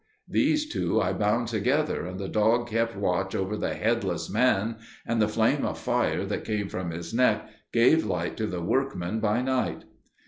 These two I bound together, and the dog kept watch over the headless man, and the flame of fire that came from his neck gave light to the workmen by night.